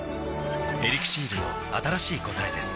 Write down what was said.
「エリクシール」の新しい答えです